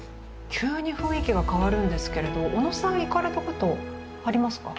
急に雰囲気が変わるんですけれど小野さん行かれたことありますか？